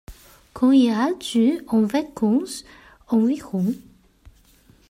Quand iras-tu en vacances environ ?